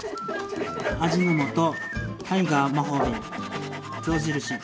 味の素タイガー魔法瓶象印